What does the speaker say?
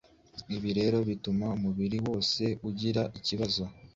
ibi rero bituma umubiri wose ugira ikibazo